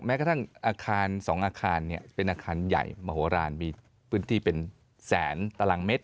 กระทั่งอาคาร๒อาคารเป็นอาคารใหญ่มโหลานมีพื้นที่เป็นแสนตารางเมตร